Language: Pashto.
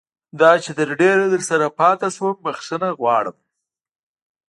دا چې تر ډېره درسره پاتې شوم بښنه غواړم.